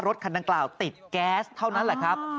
รถคันดังกล่าวติดแก๊สเท่านั้นแหละครับ